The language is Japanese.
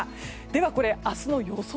では、明日の予想